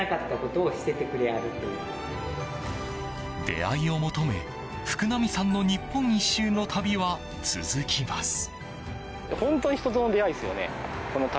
出会いを求め、福浪さんの日本一周の旅は続きます。